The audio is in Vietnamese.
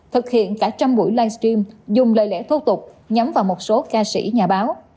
thực hiện cả một trăm linh buổi livestream dùng lợi lẽ thô tục nhắm vào một số ca sĩ nhà báo